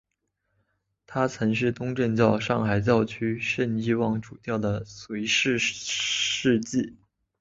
他曾是东正教上海教区圣伊望主教的随侍司祭。